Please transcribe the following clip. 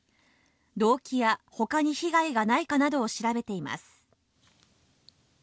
動機やほかに被害がないかなどを調べています。